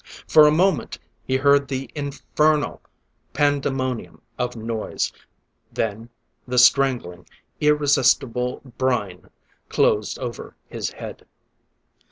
For a moment he heard the infernal pandemonium of noise ... then the strangling, irresistible brine closed over his head.